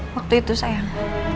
waktu itu sayang